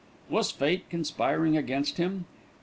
Was fate conspiring against him?